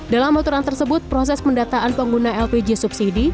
dalam aturan tersebut proses pendataan pengguna lpg subsidi